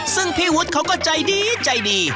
ซึ่งพี่วุฒิเขาก็ใจดีใจดี